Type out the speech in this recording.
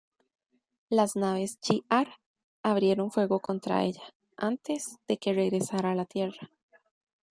Las naves Shi'Ar abrieron fuego contra ella, antes de que regresara a la Tierra.